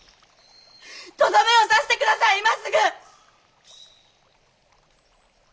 とどめを刺して下さい今すぐ！